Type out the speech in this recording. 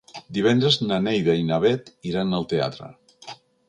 Divendres na Neida i na Bet iran al teatre.